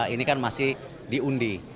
ini kan masih diundi